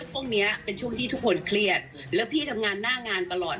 ตัวใจว่าตรงนี้เป็นช่วงที่ทุกคนเคลียดและพี่ทำงานน่างานตลอด